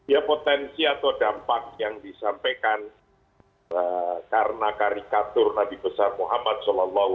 ya potensi atau dampak yang disampaikan karena karikatur nabi besar muhammad saw